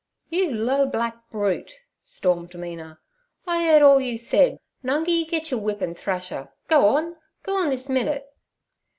'You low, black brute!' stormed Mina; 'I 'eard all you said. Nungi, get your whip and thrash 'er. Go on—go on this minute.'